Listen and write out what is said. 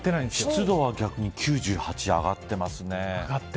湿度は逆に９８上がってますね。